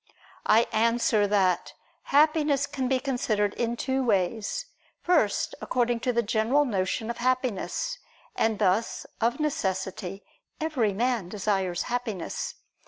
I answer that, Happiness can be considered in two ways. First according to the general notion of happiness: and thus, of necessity, every man desires happiness.